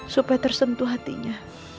supaya tersentuh hatinya